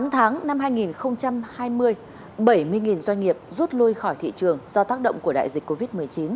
bốn tháng năm hai nghìn hai mươi bảy mươi doanh nghiệp rút lui khỏi thị trường do tác động của đại dịch covid một mươi chín